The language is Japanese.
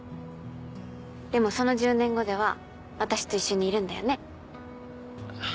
でもその１０年後では私と一緒にいるんだよね？